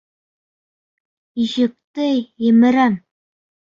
Ишекте емерәм!